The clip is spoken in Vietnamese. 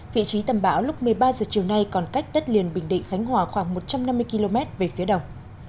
vị trí tầm bão lúc một mươi ba h chiều nay còn cách đất liền bình định khánh hòa khoảng một trăm năm mươi km về phía đông